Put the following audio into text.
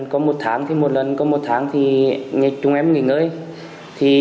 có một tháng thì một lần có một tháng thì nghe chúng em nghỉ ngơi